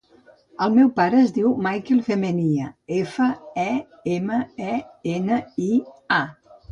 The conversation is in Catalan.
El meu pare es diu Mikel Femenia: efa, e, ema, e, ena, i, a.